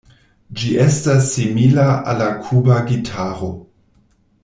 Ĝi estas simila al la Kuba gitaro.